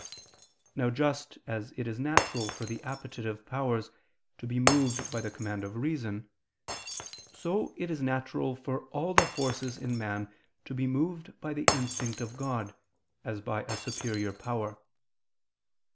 Now just as it is natural for the appetitive powers to be moved by the command of reason, so it is natural for all the forces in man to be moved by the instinct of God, as by a superior power.